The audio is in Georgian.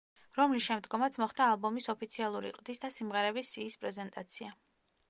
რომლის შემდგომაც მოხდა ალბომის ოფიციალური ყდის და სიმღერების სიის პრეზენტაცია.